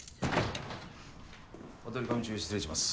お取り込み中失礼します。